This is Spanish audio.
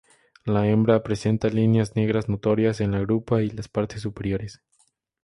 La hembra presenta líneas negras notorias en la grupa y las partes superiores.